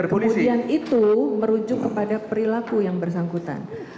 kemudian itu merujuk kepada perilaku yang bersangkutan